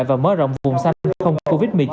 và mở rộng vùng xanh không covid một mươi chín